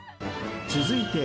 ［続いて］